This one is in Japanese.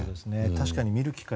確かに見る機会